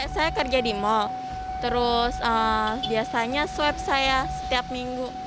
saya kerja di mal terus biasanya swab saya setiap minggu